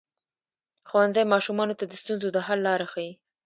ښوونځی ماشومانو ته د ستونزو د حل لاره ښيي.